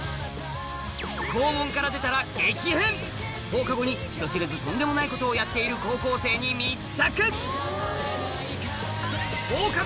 放課後に人知れずとんでもないことをやっている高校生に密着！